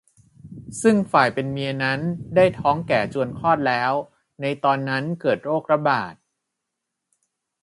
ซึ่งฝ่ายเป็นเมียนั้นได้ท้องแก่จวนคลอดแล้วในตอนนั้นเกิดโรคระบาด